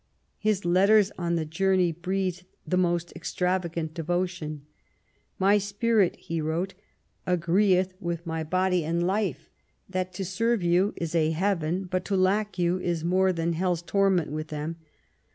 His letters on the journey breathed the most extravagant devotion. My spirit," he wrote, " agreeth with my body and life that to serve you is a heaven, but to lack you is more than hell'is torment with them.